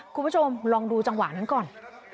คุณผู้ชมลองดูจังหวะนั้นก่อน